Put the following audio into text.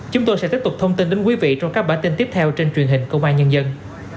chúng tôi sẽ tiếp tục thông tin đến quý vị trong các bản tin tiếp theo trên truyền hình công an nhân dân